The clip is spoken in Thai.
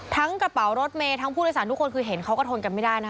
กระเป๋ารถเมย์ทั้งผู้โดยสารทุกคนคือเห็นเขาก็ทนกันไม่ได้นะคะ